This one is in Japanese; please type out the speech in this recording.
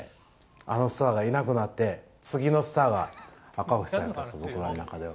そのスターがいなくなって次のスターが赤星さんやったんです僕の中では。